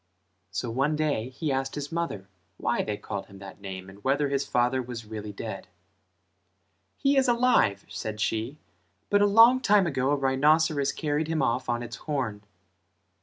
So one day he asked his mother why they called him that name and whether his father was really dead. "He is alive" said she "but a long time ago a rhinoceros carried him off on its horn."